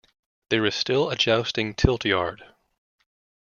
There is still a jousting tilt yard.